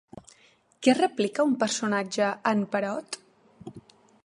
Què replica un personatge a en Perot?